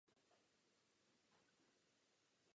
Zdá se mi, že tento týden bude rozhodující.